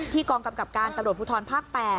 กองกำกับการตำรวจภูทรภาค๘